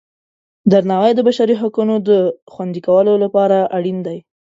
درناوی د بشري حقونو د خوندي کولو لپاره اړین دی.